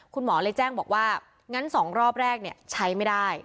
คุณหมอเลยแจ้งบอกว่างั้น๒รอบแรกใช้ไม่ได้